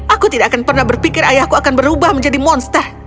aku tidak akan pernah berpikir ayahku akan berubah menjadi monster